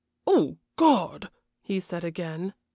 "Oh, God!" he said again.